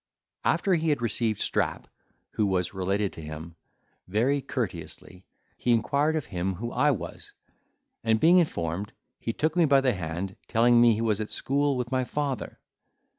After he had received Strap, who was related to him, very courteously, he inquired of him who I was; and being informed, he took me by the hand, telling me he was at school with my father.